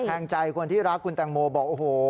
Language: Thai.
แทงใจคนที่รักคุณแตงโมบอกโอ้โห